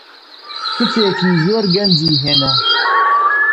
کچێکی زۆر گەنجی هێنا.